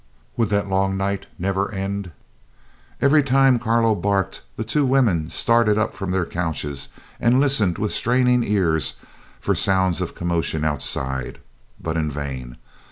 Would the long night never end? Every time Carlo barked the two women started up from their couches and listened with straining ears for sounds of commotion outside but in vain.